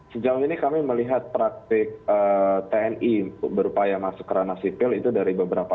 sejauh ini kami melihat praktik tni berupaya masuk kerana sipil itu dari beberapa